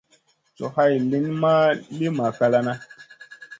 Coh hay lìyn ma li makalana.